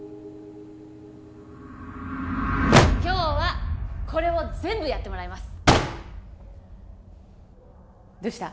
今日はこれを全部やってもらいますどうした？